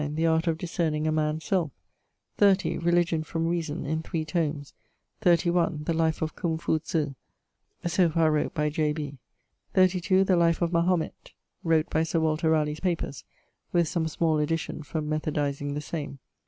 The Art of Discerning a Man's selfe. 30. Religion from Reason: in 3 tomes. 31. The Life of Cum fu zu, soe farr wrote by J. B. 32. The Life of Mahomett, wrot by Sir Walter Raleigh's papers, with some small addition for methodizing the same.